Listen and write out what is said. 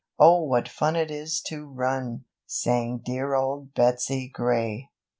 Oh what fun it is to run!" Sang dear Old Betsy Gray.